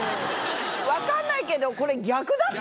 分かんないけどこれ逆だった。